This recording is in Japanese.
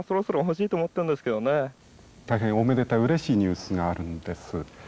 大変おめでたいうれしいニュースがあるんです。